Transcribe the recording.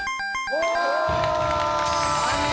お！